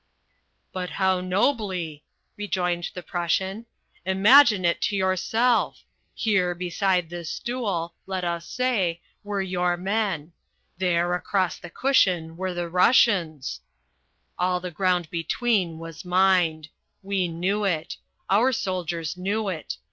"But how nobly," rejoined the Prussian. "Imagine it to yourself! Here, beside this stool, let us say, were your men. There, across the cushion, were the Russians. All the ground between was mined. We knew it. Our soldiers knew it.